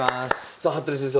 さあ服部先生